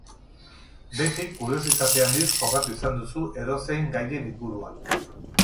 Beti kuriositate handiz jokatu izan duzu edozein gaien inguruan.